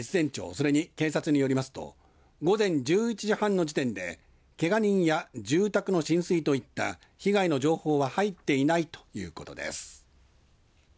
それに警察によりますと午前１１時半の時点でけが人や住宅の浸水といった被害の情報は入っていないということです。